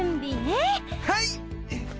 はい！